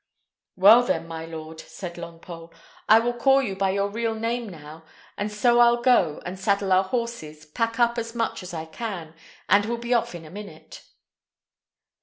"Well, then, my lord," said Longpole, "I will call you by your real name now; and so I'll go and saddle our horses, pack up as much as I can, and we'll be off in a minute."